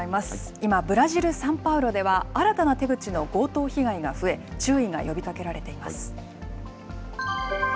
今、ブラジル・サンパウロでは新たな手口の強盗被害が増え、注意が呼びかけられています。